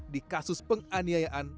di kasus penganiayaan